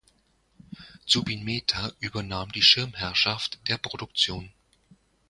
Zubin Mehta übernahm die Schirmherrschaft der Produktion.